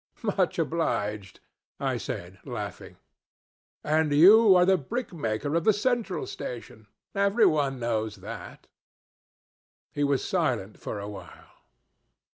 'Much obliged,' I said, laughing. 'And you are the brickmaker of the Central Station. Everyone knows that.' He was silent for a while.